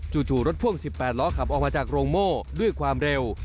รถพ่วง๑๘ล้อขับออกมาจากโรงโม่ด้วยความเร็ว